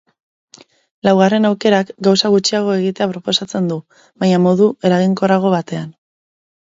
Laugarren aukerak gauza gutxiago egitea proposatzen du, baina modu eraginkorrago batean.